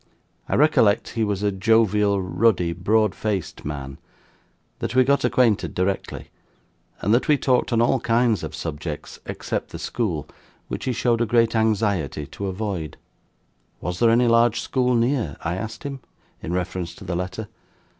I recollect he was a jovial, ruddy, broad faced man; that we got acquainted directly; and that we talked on all kinds of subjects, except the school, which he showed a great anxiety to avoid. "Was there any large school near?" I asked him, in reference to the letter.